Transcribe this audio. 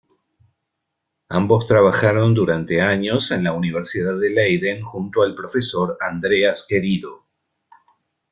Ambos trabajaron durante años en la Universidad de Leiden junto al profesor Andreas Querido.